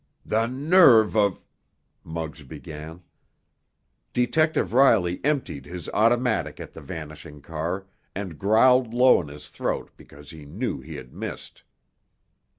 "The nerve of——" Muggs began. Detective Riley emptied his automatic at the vanishing car, and growled low in his throat because he knew he had missed.